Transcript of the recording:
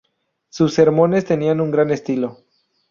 Sus sermones tenían un gran estilo.